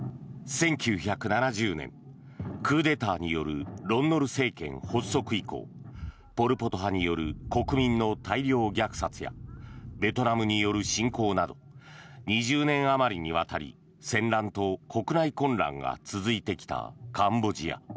１９７０年、クーデターによるロン・ノル政権発足以降ポル・ポト派による国民の大量虐殺やベトナムによる侵攻など２０年あまりにわたり戦乱と国内混乱が続いてきたカンボジア。